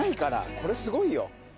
これ、すごいよ。